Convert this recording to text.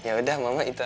yaudah mama itu aja